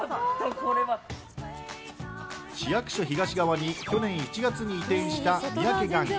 市役所東側に去年１月に移転した、みやけがんぐ。